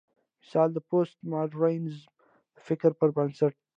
مثلا: د پوسټ ماډرنيزم د فکر پر بنسټ